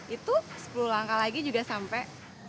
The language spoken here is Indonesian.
itu sepuluh langkah lagi juga sampai